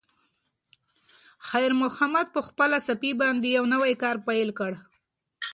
خیر محمد په خپلې صافې باندې یو نوی کار پیل کړ.